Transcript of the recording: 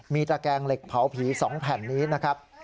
มีตระแกงเหล็กเผาผี๒แผ่นนี้นะครับ